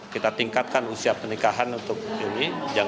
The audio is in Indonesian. kita tingkatkan usia pernikahan untuk ini